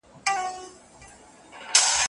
کشمیر ته هر کلی پېغور وو اوس به وي او کنه